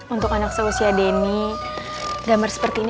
untuk anak seusia deni gambar seperti ini